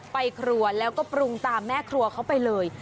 ไปครัวแล้วก็ปรุงตามแม่ครัวเขาไปเลย